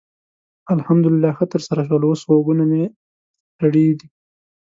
الحمدلله ښه ترسره شول؛ اوس غوږونه مې سړې دي.